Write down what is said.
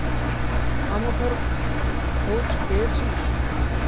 আমুথার খোঁজ পেয়েছিস?